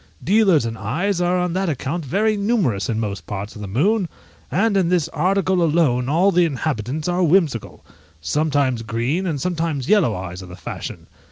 Dealers in eyes are on that account very numerous in most parts of the moon, and in this article alone all the inhabitants are whimsical: sometimes green and sometimes yellow eyes are the fashion.